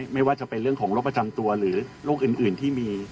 ไม่ว่าจะเป็นเรื่องของโรคประจำตัวหรือโรคอื่นที่มี